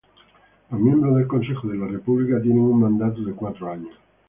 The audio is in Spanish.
Los miembros del Consejo de la República tienen un mandato de cuatro años.